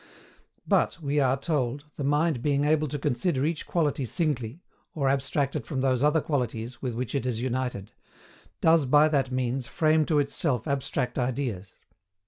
But, we are told, the mind being able to consider each quality singly, or abstracted from those other qualities with which it is united, does by that means frame to itself abstract ideas.